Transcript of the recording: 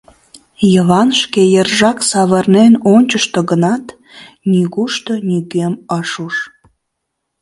Йыван шке йыржак савырнен ончышто гынат, нигушто нигӧм ыш уж.